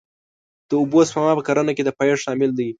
د اوبو سپما په کرنه کې د پایښت عامل دی.